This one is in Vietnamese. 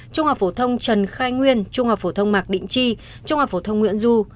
trung học phổ thông trần khai nguyên trung học phổ thông mạc định chi trung học phổ thông nguyễn du